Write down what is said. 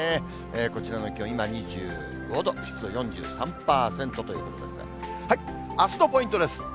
こちらの気温、今、２５度、湿度４３％ということですが、あすのポイントです。